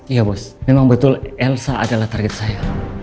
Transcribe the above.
iya bos memang betul elsa adalah target saya